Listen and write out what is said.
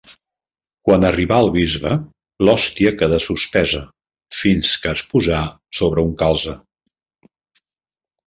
Quan arribà el bisbe, l'hòstia quedà suspesa, fins que es posà sobre un calze.